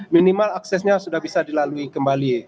minimal aksesnya sudah bisa dilalui kembali